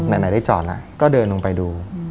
ไหนได้จอดแล้วก็เดินลงไปดู